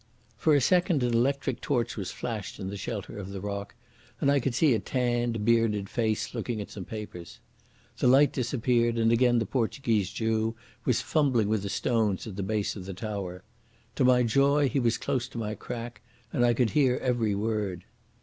For a second an electric torch was flashed in the shelter of the rock, and I could see a tanned, bearded face looking at some papers. The light disappeared, and again the Portuguese Jew was fumbling with the stones at the base of the tower. To my joy he was close to my crack, and I could hear every word.